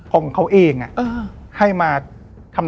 ของเขาเองให้มาทำร้ายเขา